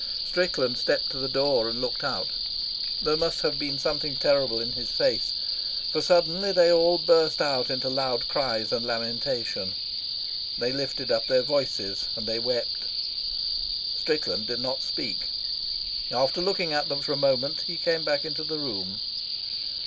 Strickland stepped to the door and looked out. There must have been something terrible in his face, for suddenly they all burst out into loud cries and lamentation. They lifted up their voices and they wept. Strickland did not speak. After looking at them for a moment, he came back into the room.